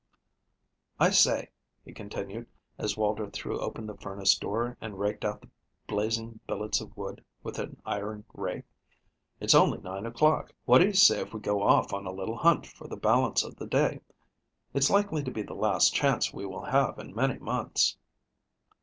"I say," he continued, as Walter threw open the furnace door and raked out the blazing billets of wood with an iron rake, "it's only nine o'clock. What do you say if we go off on a little hunt for the balance of the day? It's likely to be the last chance we will have in many months."